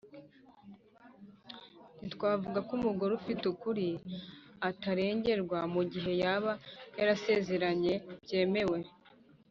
ntitwavuga ko umugore ufite ukuri atarengerwa mu gihe yaba yarasezeranye byemewe